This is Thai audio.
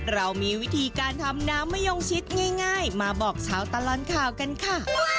เรามีวิธีการทำน้ำมะยงชิดง่ายมาบอกชาวตลอดข่าวกันค่ะ